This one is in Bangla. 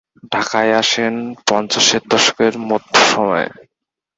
ঢাকায় আসেন পঞ্চাশের দশকের মধ্য সময়ে।